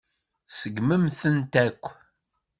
Tseggmemt-tent akk.